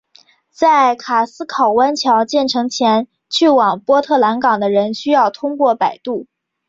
在卡斯考湾桥建成前去往波特兰港的人需要通过摆渡。